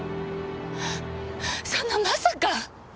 そんなまさか！